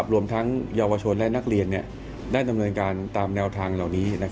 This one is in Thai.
รวมทั้งเยาวชนและนักเรียนได้ดำเนินการตามแนวทางเหล่านี้